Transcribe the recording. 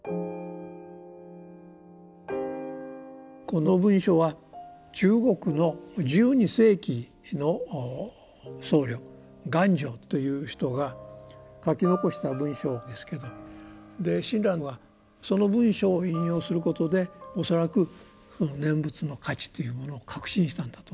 この文章は中国の１２世紀の僧侶元照という人が書き残した文章ですけど親鸞はその文章を引用することで恐らくその念仏の価値というものを確信したんだと思いますね。